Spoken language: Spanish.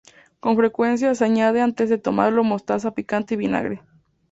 Con frecuencia se añade antes de tomarlo mostaza picante y vinagre.